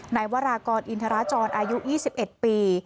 นายวรากรอินทราจรอายุ๒๑ปี